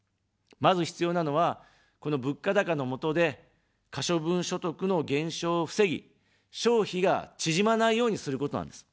まず、必要なのは、この物価高のもとで、可処分所得の減少を防ぎ、消費が縮まないようにすることなんです。